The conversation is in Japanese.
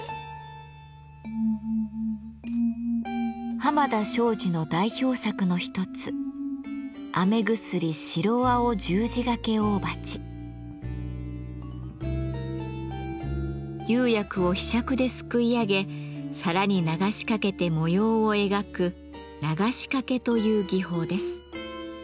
濱田庄司の代表作の一つ釉薬をひしゃくですくい上げ皿に流しかけて模様を描く流し掛けという技法です。